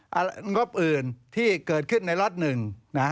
หรืองบอื่นที่เกิดขึ้นในล็อตหนึ่ง